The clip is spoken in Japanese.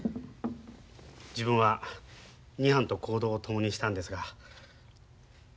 自分は２班と行動を共にしたんですが。